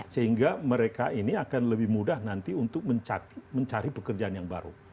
sehingga mereka ini akan lebih mudah nanti untuk mencari pekerjaan yang baru